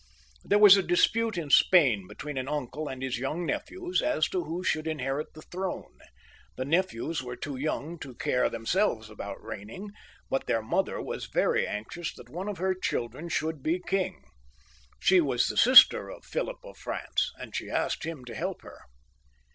There was a dispute in Spain between an uncle and his young nephews as to who should inherit the throne. The nephews were too young to care themselves about reigning, but their mother was very anxious that one of her children should be king. She was the sister of Philip of France, and she asked him to help her.